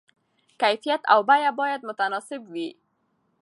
کیفیت او بیه باید متناسب وي.